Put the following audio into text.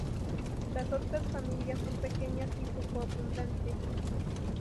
Las otras familias son pequeñas y poco abundantes.